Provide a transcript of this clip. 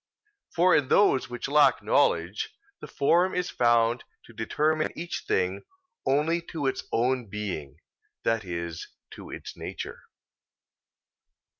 For in those which lack knowledge, the form is found to determine each thing only to its own being that is, to its nature.